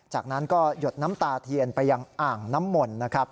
จากนั้นก็หยดน้ำตาเทียนไปยังอ่างน้ำมนต์นะครับ